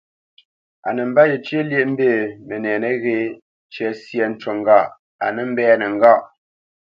A nə mbə̄ yecyə́ lyéʼmbî, mənɛ nəghé cə syâ cú ŋgâʼ a nə́ mbɛ́nə́ ŋgâʼ.